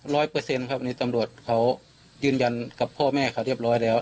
เปอร์เซ็นต์ครับนี่ตำรวจเขายืนยันกับพ่อแม่เขาเรียบร้อยแล้ว